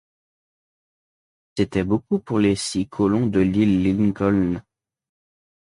C’était beaucoup pour les six colons de l’île Lincoln!